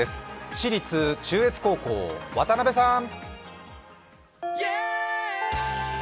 私立中越高校、渡邉さん。